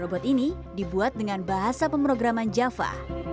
robot ini dibuat dengan bahasa pemrograman java